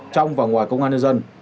trong và ngoài công an nhân dân